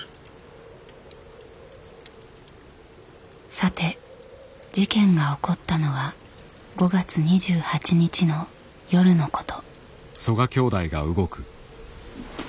さて事件が起こったのは５月２８日の夜のこと。